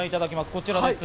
こちらです。